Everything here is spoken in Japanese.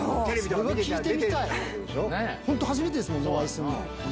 初めてですもんねお会いするの。